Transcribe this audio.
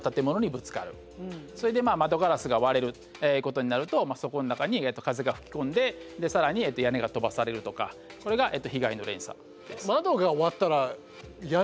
それでまあ窓ガラスが割れることになるとそこの中に風が吹き込んで更に屋根が飛ばされるとかこれが被害の連鎖です。